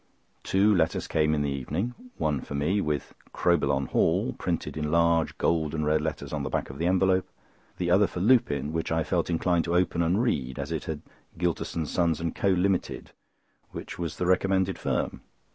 Two letters came in the evening—one for me, with "Crowbillon Hall" printed in large gold and red letters on the back of the envelope; the other for Lupin, which I felt inclined to open and read, as it had "Gylterson, Sons, and Co. Limited," which was the recommended firm.